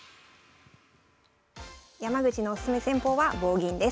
山口のオススメ戦法は棒銀です。